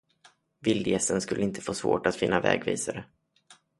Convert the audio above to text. Vildgässen skulle inte få svårt att finna vägvisare.